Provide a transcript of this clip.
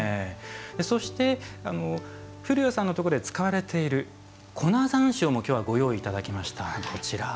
そして、降矢さんのところで使われている粉山椒もきょうはご用意いただきました。